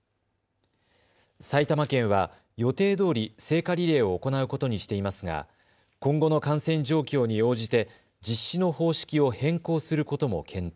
埼玉県は予定どおり聖火リレーを行うことにしていますが今後の感染状況に応じて実施の方式を変更することも検討。